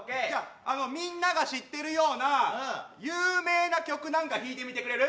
みんなが知ってるような有名な曲、何か弾いてみてくれる？